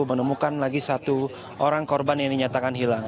menemukan lagi satu orang korban yang dinyatakan hilang